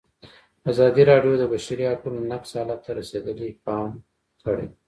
ازادي راډیو د د بشري حقونو نقض حالت ته رسېدلي پام کړی.